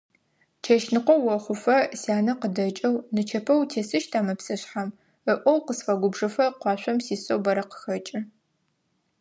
Чэщныкъо охъуфэ, сянэ къыдэкӀэу «нычэпэ утесыщта мы псышъхьэм» ыӀоу, къысфэгубжыфэ къуашъом сисэу бэрэ къыхэкӀы.